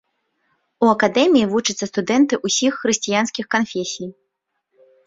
У акадэміі вучацца студэнты ўсіх хрысціянскіх канфесій.